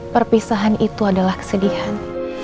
perpisahan itu adalah kesedihan